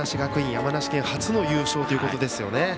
山梨県初の優勝ということですね